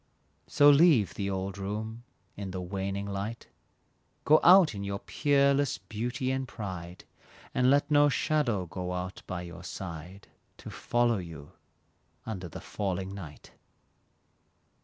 So leave the old room in the waning light, Go out in your peerless beauty and pride, And let no shadow go out by your side To follow you under the falling night.